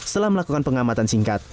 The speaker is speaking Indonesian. setelah melakukan pengamatan singkat